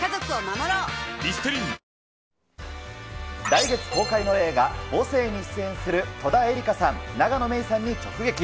来月公開の映画、母性に出演する戸田恵梨香さん、永野芽郁さんに直撃。